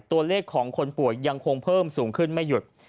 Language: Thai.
ตัวเลขของคนป่วยยังคงเพิ่มสูงขึ้นไม่หยุด